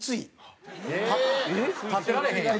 立ってられへんやん。